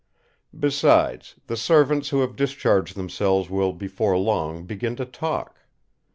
Besides, the servants who have discharged themselves will before long begin to talk.